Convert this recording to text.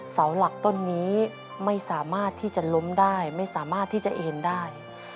เสาหลักต้นนี้ไม่สามารถที่จะล้มได้ไม่สามารถที่จะเอ็นได้